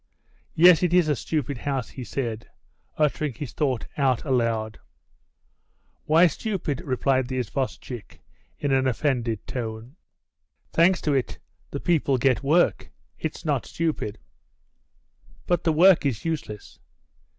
"Yes, it is a stupid house," he said, uttering his thought out aloud. "Why stupid?" replied the isvostchik, in an offended tone. "Thanks to it, the people get work; it's not stupid." "But the work is useless."